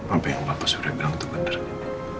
apa yang papa sudah bilang itu benarnya